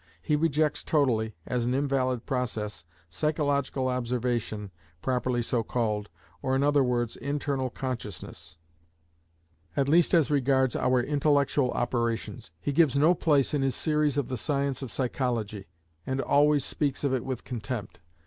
He rejects totally, as an invalid process, psychological observation properly so called, or in other words, internal consciousness, at least as regards our intellectual operations. He gives no place in his series of the science of Psychology, and always speaks of it with contempt.